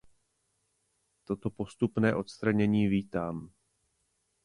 Toto postupné odstranění vítám.